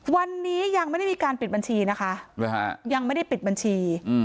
วันนี้ยังไม่ได้มีการปิดบัญชีนะคะยังไม่ได้ปิดบัญชี